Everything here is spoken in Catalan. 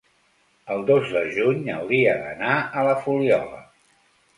el dos de juny hauria d'anar a la Fuliola.